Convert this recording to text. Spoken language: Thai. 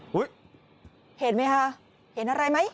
เห็นไหมคะเห็นอะไรไหม